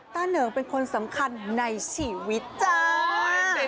เหนิงเป็นคนสำคัญในชีวิตจ้า